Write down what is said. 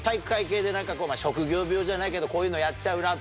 職業病じゃないけどこういうのやっちゃうなとか。